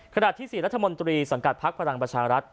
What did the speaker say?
ขณะที่ศรีรัฐมนตรีสังกัดภักดิ์ภารังประชารัฐ